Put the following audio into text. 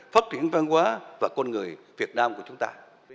phát triển văn hóa và con người việt nam của chúng ta